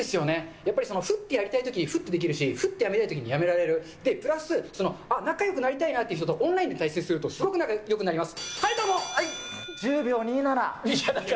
やっぱりそのふっとやりたいとき、ふってできるし、ふってやめたいときにやめられる、で、プラス、あっ、仲よくなりたいなっていう人とオンラインで対戦するとすごく仲よくなります。